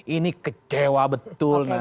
ini kecewa betul nana